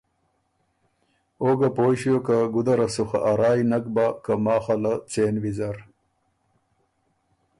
او ګۀ پویٛ ݭیوک که ګُده ره سو خه ا رایٛ نک بۀ که ماخه له څېن ویزر